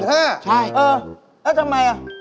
ใช่เออแล้วทำไมอ่ะ